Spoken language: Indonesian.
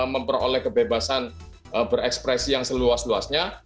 memperoleh kebebasan berekspresi yang seluas luasnya